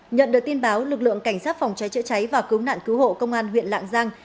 nhận được tin báo lực lượng cảnh sát phòng cháy chữa cháy và cứu nạn cứu hộ công an huyện lạng giang